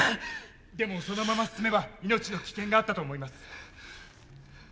でもそのまま進めば命の危険があったと思います。